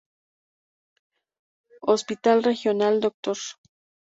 Hospital Regional Dr.